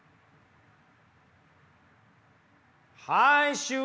はい終了。